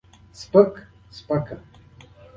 چې ودونو ته ځم چندان یې نه وینم.